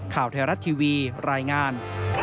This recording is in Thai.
ข่าวไทยรัฐทีวีรายงาน